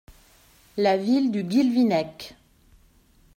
La Ville du Guilvinec.